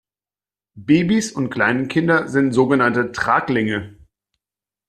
Babys und Kleinkinder sind sogenannte Traglinge.